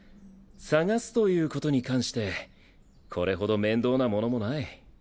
探すということに関してこれほど面倒なものもない。